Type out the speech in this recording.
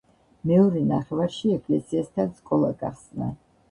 მეორე ნახევარში ეკლესიასთან სკოლა გახსნა.